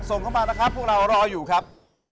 ส่งเข้ามานะครับพวกเรารออยู่ครับ